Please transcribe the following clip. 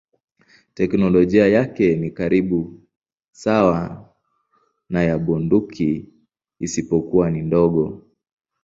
Teknolojia yake ni karibu sawa na ya bunduki isipokuwa ni ndogo.